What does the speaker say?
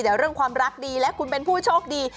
เดี๋ยวเรื่องความรักดีและคุณเป็นผู้โชคดี